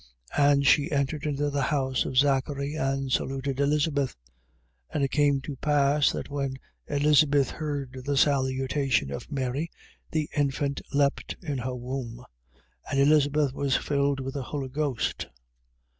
1:40. And she entered into the house of Zachary and saluted Elizabeth. 1:41. And it came to pass that when Elizabeth heard the salutation of Mary, the infant leaped in her womb. And Elizabeth was filled with the Holy Ghost.